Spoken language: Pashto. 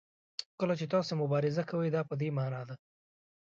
کله چې تاسو مبارزه کوئ دا په دې معنا ده.